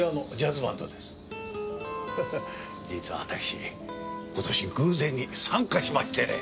ハハ実は私今年偶然に参加しましてね。